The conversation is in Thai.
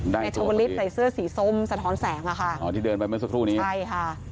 นายชาวลิศใส่เสื้อสีส้มสะท้อนแสงอ่ะค่ะอ๋อที่เดินไปเมื่อสักครู่นี้ใช่ค่ะ